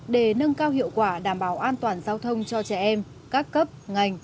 để nâng cao hiệu quả đảm bảo an toàn giao thông cho trẻ em các cấp ngành